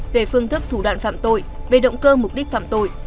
về phương thức thủ đoạn phạm tội về động cơ mục đích phạm tội